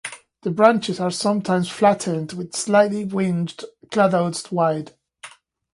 The branches are sometimes flattened with slightly winged cladodes wide.